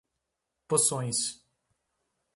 Poções